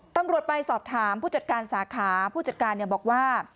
ไปสอบถามผู้จัดการสาขาผู้จัดการบอกว่า